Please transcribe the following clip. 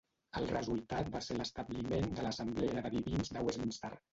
El resultat va ser l'establiment de l'Assemblea de Divins de Westminster.